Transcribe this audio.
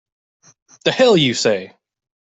The hell you say!